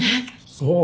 そう。